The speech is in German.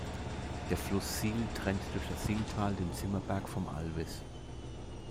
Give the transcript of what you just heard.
Der Fluss Sihl trennt durch das Sihltal den Zimmerberg vom Albis.